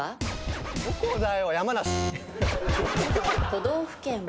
都道府県は？